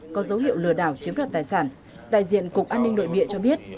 có dấu hiệu lừa đảo chiếm đoạt tài sản đại diện cục an ninh nội địa cho biết